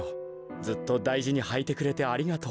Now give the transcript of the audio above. ずっとだいじにはいてくれてありがとう。